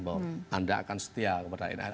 bahwa anda akan setia kepada